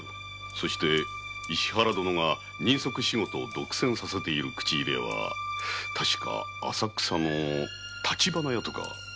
そして石原殿が人足仕事を独占させている口入れ屋は確か浅草の橘屋。